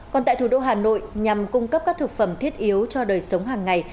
còn tại thủ đô hà nội nhằm cung cấp các thực phẩm thiết yếu cho đời sống hàng ngày